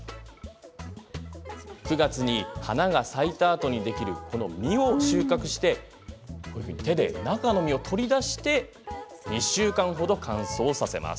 ９月に花が咲いたあとにできる実を収穫して手で中の種を取り出して２週間程、乾燥させます。